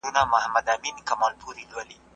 بې فکره خبره لکه بې نښانه تیر.